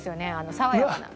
爽やかな。